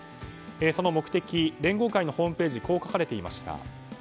その目的連合会のホームページにこう書かれていました。